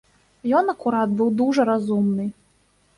Ён акурат быў дужа разумны.